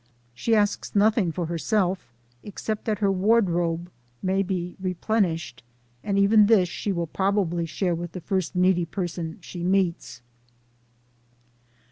She asks nothing for herself, except that her wardrobe may be replen ished, and even this she will probably share with the first needy person she meets.